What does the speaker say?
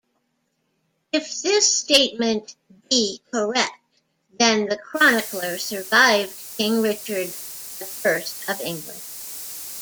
If this statement be correct, then the chronicler survived King Richard I of England.